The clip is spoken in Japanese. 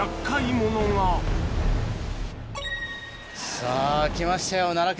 さぁ来ましたよ奈良県。